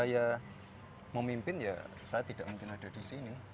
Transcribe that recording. saya memimpin ya saya tidak mungkin ada di sini